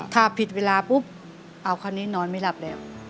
ถ้าผิดเวลาปุ๊บเอาคราวนี้นอนไม่หลับแล้ว